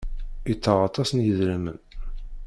Ittaɣ aṭas n yidrimen.